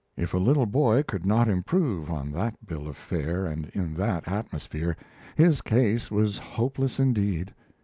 If a little boy could not improve on that bill of fare and in that atmosphere, his case was hopeless indeed.